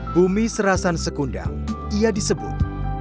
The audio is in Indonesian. bumi serasan sekundang ia disebut